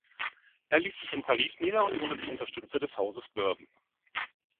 Er ließ sich in Paris nieder und wurde zum Unterstützer des Hauses Bourbon.